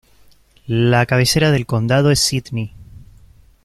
La cabecera del condado es Sidney.